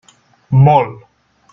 Molt.